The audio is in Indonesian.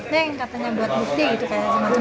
nek katanya buat bukti gitu kayak semacam